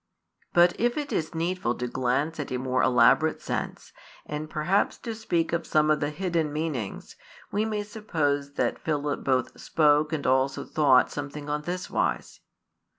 But if it is needful to glance at a more elaborated sense, and perhaps to speak of some of the hidden meanings, we may suppose that Philip both spoke and also thought something on this wise.